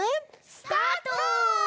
スタート！